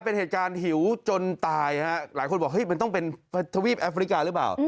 เป็นเหตุการณ์หิวจนตายฮะหลายคนบอกเฮ้ยมันต้องเป็นทวีปแอฟริกาหรือเปล่า